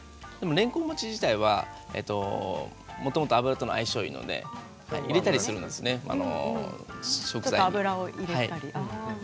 れんこん餅自体はもともと油との相性がいいので入れたりするんですよね、食材に。